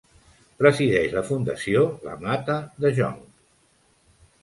Presideix la Fundació La Mata de Jonc.